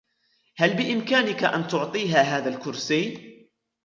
هل بإمكانك أن تعطيها هذا الكرسي؟